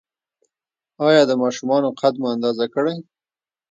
ایا د ماشومانو قد مو اندازه کړی؟